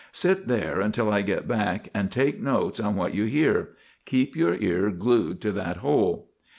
"Sit there until I get back and take notes on what you hear. Keep your ear glued to that hole."